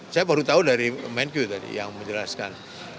saya baru tahu dari menq tadi yang menjelaskan